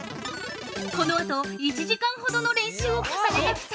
◆このあと、１時間ほどの練習を重ねた２人。